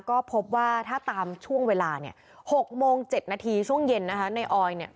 ก็พบว่าถ้าตามช่วงเวลาเนี่ย๖โมง๗นาทีช่วงเย็นนะคะในออยเนี่ย